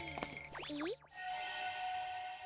えっ？